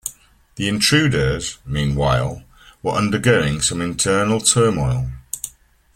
The Intruders, meanwhile, were undergoing some internal turmoil.